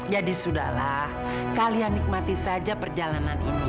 jadi sudahlah kalian nikmati saja perjalanan ini